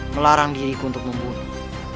melarang diriku untuk membunuhmu